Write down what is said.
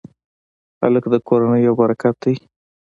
هلک د کورنۍ یو برکت دی.